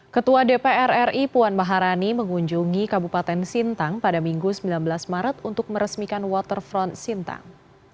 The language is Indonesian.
ketua dpr ri puan maharani mengunjungi kabupaten sintang pada minggu sembilan belas maret untuk meresmikan waterfront sintang